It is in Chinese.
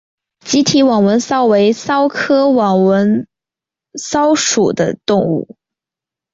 棘体网纹蚤为蚤科网纹蚤属的动物。